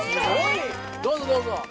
どうぞどうぞ。